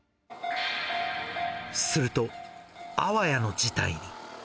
すると、あわやの事態に。